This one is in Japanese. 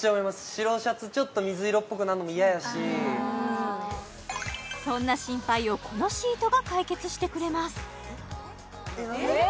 白シャツちょっと水色っぽくなるのも嫌やしそんな心配をこのシートが解決してくれますええ！？